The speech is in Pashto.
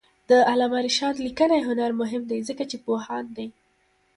د علامه رشاد لیکنی هنر مهم دی ځکه چې پوهاند دی.